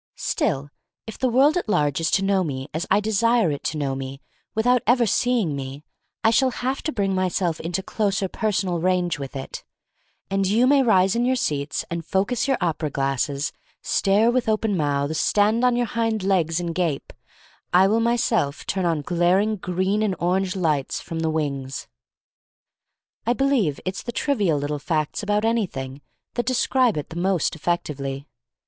Still, if the world at large is to know me as I desire it to know me without ever see ing me, I shall have to bring myself into closer personal range with it — and you may rise in your seats and focus your opera glasses, stare with open mouths, stand on your hind legs 241 f 242 THE STORY OF MARY MAC LANE and gape — I will myself turn on glaring green and orange lights from the wings. I believe that it's the trivial little facts about anything that describe it the most effectively.